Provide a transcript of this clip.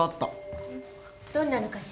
どんなのかしら。